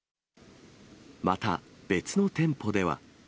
また、別の店舗では。